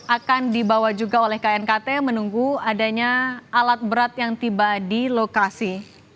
akan dibawa juga oleh knkt menunggu adanya alat berat yang tiba di lokasi